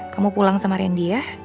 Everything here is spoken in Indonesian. kamu pulang sama randy ya